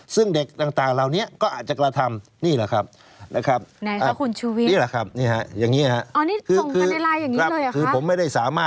ซึ่งเด็กต่างเหล่านี้ก็อาจจะกระทำ